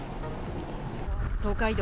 東海道